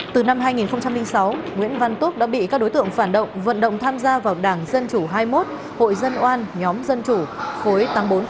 từ năm hai nghìn sáu nguyễn văn túc đã bị các đối tượng phản động vận động tham gia vào đảng dân chủ hai mươi một hội dân oan nhóm dân chủ khối tám nghìn bốn trăm linh sáu